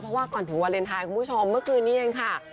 เพราะว่าก่อนถึงวาเลนไทยคุณผู้ชมเมื่อคืนนี้เองค่ะ